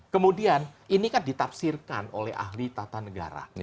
kemudian ini kan ditafsirkan oleh ahli tata negara